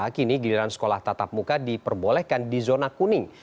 kini giliran sekolah tatap muka diperbolehkan di zona kuning